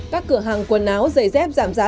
các cửa hàng quần áo giày dép giảm giá